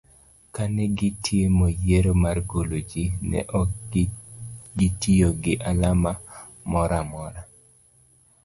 kane gitimo yiero mar golo jii, ne ok gitiyo gi alama moro amor